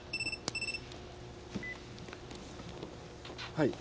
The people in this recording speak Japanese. はい。